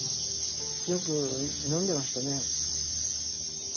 よく飲んでましたね。